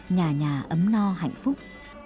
nhà nhà ấm no hạnh phúc